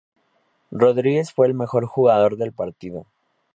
Rodríguez fue el mejor jugador del partido.